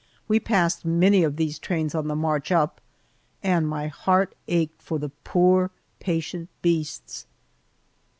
We passed many of these trains on the march up, and my heart ached for the poor patient beasts.